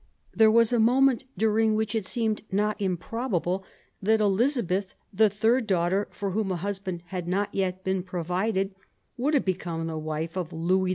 There was a moment during which it seemed not im probable that Elizabeth, the third daughter, for whom a husband had not yet been provided, would have become the wife of Louis XV.